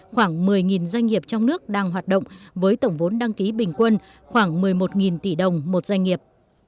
khoảng một mươi doanh nghiệp trong nước đang hoạt động với tổng vốn đăng ký bình quân khoảng một mươi một tỷ đồng một doanh nghiệp